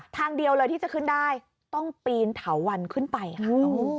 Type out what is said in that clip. ทางเดียวเลยที่จะขึ้นได้ต้องปีนเถาวันขึ้นไปค่ะ